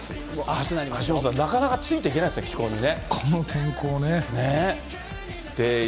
橋下さん、なかなかついていけないですね、気候にね。